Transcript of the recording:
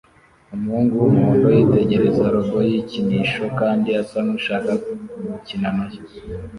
Umuhungu wumuhondo yitegereza robot yikinisho kandi asa nkushaka gukina nayo